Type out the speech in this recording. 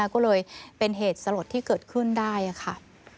ก็เลยเป็นเหตุสลดที่เกิดขึ้นได้ค่ะ